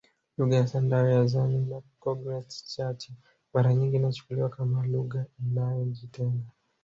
Lugha ya Sandawe Hadzane ina cognates chache mara nyingi inachukuliwa kama lugha inayojitenga